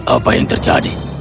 apa yang terjadi